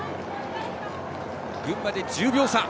群馬で１０秒差。